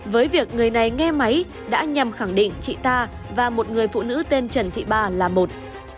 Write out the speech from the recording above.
với việc người này nghe máy đã nhằm khẳng định chị ta và một người phụ nữ tên trần thị ba là một